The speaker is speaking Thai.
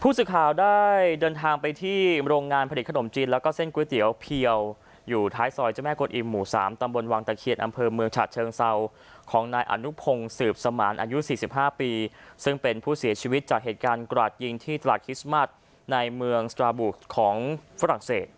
ผู้สื่อข่าวได้เดินทางไปที่โรงงานผลิตขนมจีนแล้วก็เส้นก๋วยเตี๋ยวเพียวอยู่ท้ายซอยเจ้าแม่กวนอิมหมู่๓ตำบลวังตะเคียนอำเภอเมืองฉะเชิงเซาของนายอนุพงศ์สืบสมานอายุ๔๕ปีซึ่งเป็นผู้เสียชีวิตจากเหตุการณ์กราดยิงที่ตลาดคริสต์มัสในเมืองสตราบูชของฝรั่งเศส